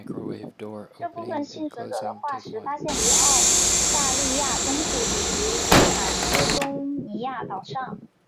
这部分幸存者的化石发现于澳大利亚东部及塔斯马尼亚岛上。